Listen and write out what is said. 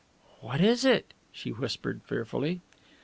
"What is it?" she whispered fearfully.